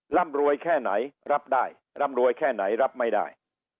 ร่ำรวยแค่ไหนรับได้ร่ำรวยแค่ไหนรับไม่ได้